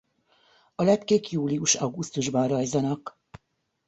A lepkék július–augusztusban rajzanak.